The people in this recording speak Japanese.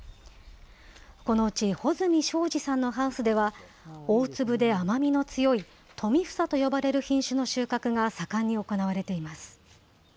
このうち、穂積昭治さんのハウスでは、大粒で甘みの強い富房と呼ばれる品種の収穫が盛んに行われています。